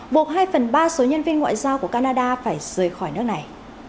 buộc hai phần ba số nhân viên ngoại giao của canada phải rời khỏi nước này